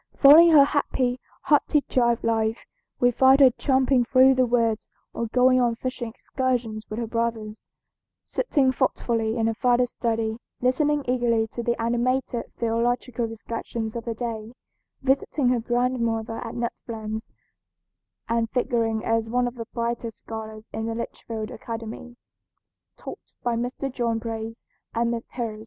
Following her happy, hearty child life, we find her tramping through the woods or going on fishing excursions with her brothers, sitting thoughtfully in her father's study, listening eagerly to the animated theological discussions of the day, visiting her grandmother at Nut Plains, and figuring as one of the brightest scholars in the Litchfield Academy, taught by Mr. John Brace and Miss Pierce.